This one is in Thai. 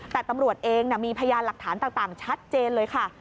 แต่ตำรวจเองมีพยานหลักฐานต่างชัดเจนเลยค่ะ